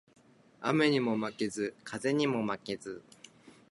雨ニモ負ケズ、風ニモ負ケズ